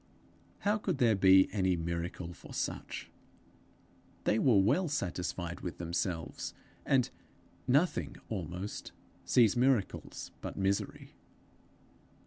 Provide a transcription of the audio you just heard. How could there be any miracle for such! They were well satisfied with themselves, and Nothing almost sees miracles But misery.